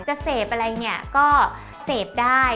จะเสพอะไรเนี่ยก็เสพได้